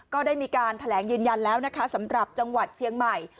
ก็ได้มีการแถลงยืนยันแล้วนะคะสำหรับจังหวัดเชียงใหม่